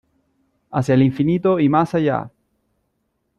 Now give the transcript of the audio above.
¡ Hacia el infinito y más allá!